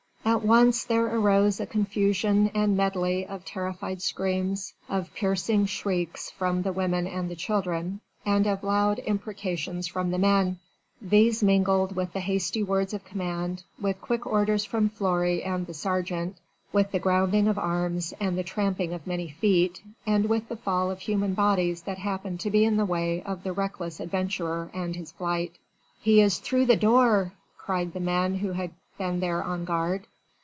At once there arose a confusion and medley of terrified screams, of piercing shrieks from the women and the children, and of loud imprecations from the men. These mingled with the hasty words of command, with quick orders from Fleury and the sergeant, with the grounding of arms and the tramping of many feet, and with the fall of human bodies that happened to be in the way of the reckless adventurer and his flight. "He is through the door," cried the men who had been there on guard.